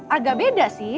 agak beda sih